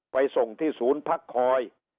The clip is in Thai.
ไปส่งที่ศูนย์พักคอย